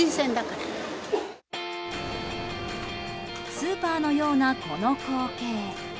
スーパーのようなこの光景。